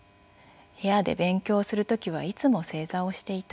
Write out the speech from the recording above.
部屋で勉強する時はいつも正座をしていた。